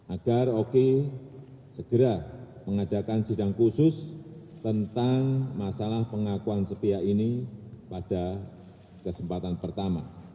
agar oke segera mengadakan sidang khusus tentang masalah pengakuan sepihak ini pada kesempatan pertama